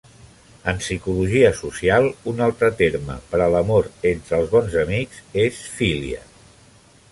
En Psicologia social, un altre terme per a l'amor entre els bons amics és "philia".